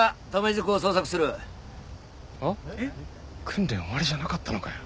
訓練終わりじゃなかったのかよ。